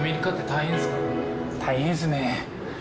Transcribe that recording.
大変ですね。